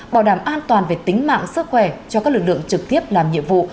bảo đảm an toàn về tính mạng sức khỏe cho các lực lượng trực tiếp làm nhiệm vụ